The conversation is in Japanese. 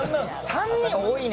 ３人多いね。